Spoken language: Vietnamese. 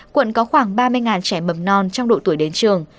quận có khoảng ba mươi trẻ mầm non trong độ tuổi đến trường